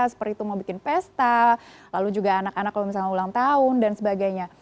seperti itu mau bikin pesta lalu juga anak anak kalau misalnya ulang tahun dan sebagainya